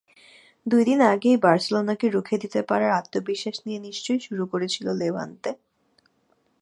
দুই দিন আগেই বার্সেলোনাকে রুখে দিতে পারার আত্মবিশ্বাস নিয়ে নিশ্চয়ই শুরু করেছিল লেভান্তে।